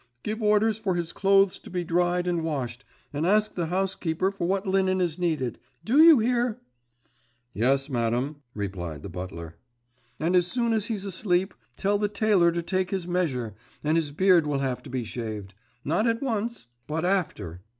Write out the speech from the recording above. Give orders for his clothes to be dried and washed, and ask the housekeeper for what linen is needed. Do you hear?' 'Yes, madam,' responded the butler. 'And as soon as he's asleep, tell the tailor to take his measure; and his beard will have to be shaved. Not at once, but after.